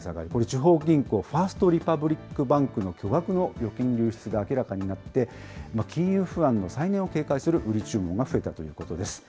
地方銀行、ファーストリパブリックバンクの巨額の預金流出が明らかになって、金融不安の再燃を警戒する売り注文が増えたということです。